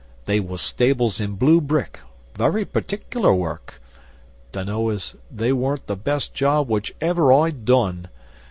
They was stables in blue brick very particular work. Dunno as they weren't the best job which ever I'd done.